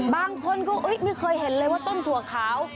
บางคนก็ไม่เคยเห็นเลยว่าต้นถั่วขาว